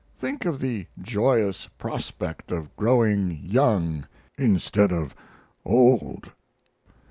Think of the joyous prospect of growing young instead of old!